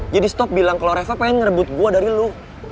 jadi stop bilang kalo reva pengen ngerebut gue dari lo